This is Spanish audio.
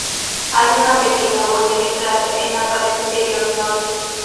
Hay una pequeña huella de cráter en la pared interior norte.